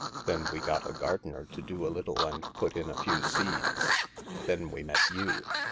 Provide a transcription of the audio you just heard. Then we got a gardener to do a little and put in a few seeds. Then we met you.